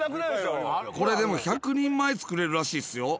これでも１００人前作れるらしいですよ。